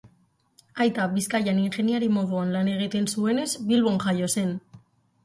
Aita Bizkaian ingeniari moduan lan egiten zuenez, Bilbon jaio zen.